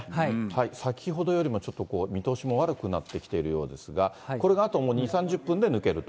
先ほどよりもちょっと見通しも悪くなってきているようですが、これがあともう２、３０分で抜けると。